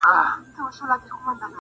که غواړې قوي شخصیت ولرې